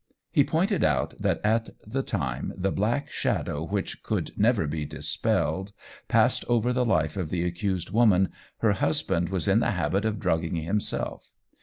He pointed out that at the time the black shadow which could never be dispelled passed over the life of the accused woman, her husband was in the habit of drugging himself.